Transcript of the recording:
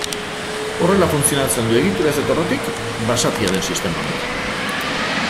Horrela funtzionatzen du egituraz eta errotik basatia den sistema honek.